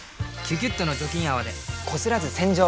「キュキュット」の除菌泡でこすらず洗浄！